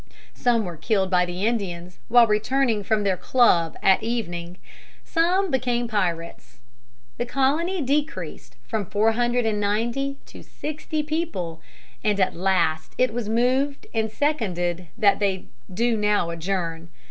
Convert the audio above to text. Some were killed by the Indians while returning from their club at evening; some became pirates. The colony decreased from four hundred and ninety to sixty people, and at last it was moved and seconded that they do now adjourn.